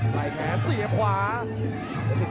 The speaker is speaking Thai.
ใช้แขนเสียขวาถึงตั้งไว้ครับ